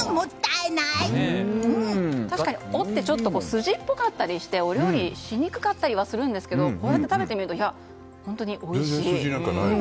確かに尾って筋っぽかったりしてお料理しにくかったりはするんですけどこうやって食べてみると本当においしい。